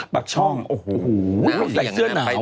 ปากช่องโอ้โหมันซายเสื้อหนาวอ่ะ